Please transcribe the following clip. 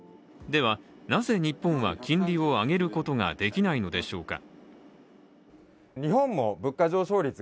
ではなぜ日本は金利を上げることができないのでしょうか。